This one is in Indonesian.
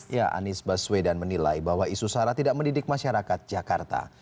ya anies baswedan menilai bahwa isu sarah tidak mendidik masyarakat jakarta